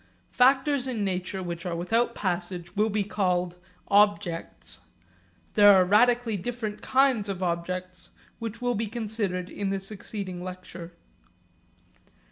Factors in nature which are without passage will be called objects. There are radically different kinds of objects which will be considered in the succeeding lecture.